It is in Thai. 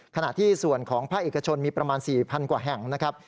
ขณะที่ส่วนของภาคเอกชนมีประมาณ๔๐๐กว่าแห่งนะครับ